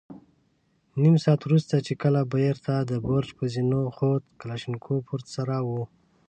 نيم ساعت وروسته چې کله بېرته د برج پر زينو خوت، کلاشينکوف ور سره و.